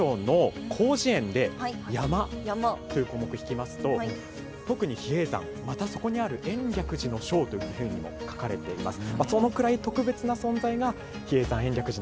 さらに辞書「広辞苑」で「山」という項目を引きますと特に比叡山、またそこにある延暦寺の称というふうにも書かれています。